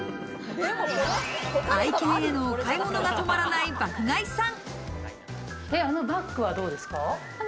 愛犬へのお買い物が止まらない爆買いさん。